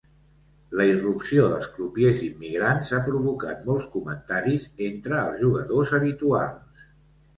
La irrupció dels crupiers immigrants ha provocat molts comentaris entre els jugadors habituals.